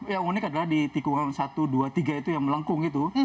yang unik adalah di tikungan satu dua tiga itu yang melengkung itu